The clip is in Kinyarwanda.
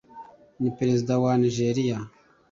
ni perezida wa Nigeria